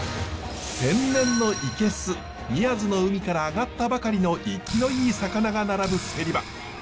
天然の生け簀宮津の海から揚がったばかりの活きのいい魚が並ぶセリ場。